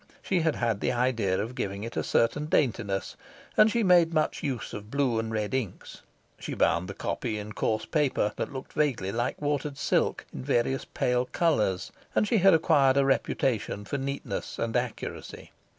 She had had the idea of giving it a certain daintiness, and she made much use of blue and red inks; she bound the copy in coarse paper, that looked vaguely like watered silk, in various pale colours; and she had acquired a reputation for neatness and accuracy.